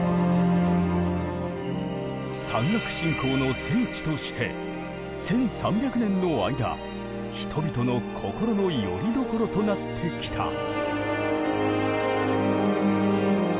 山岳信仰の聖地として１，３００年の間人々の心のよりどころとなってきた。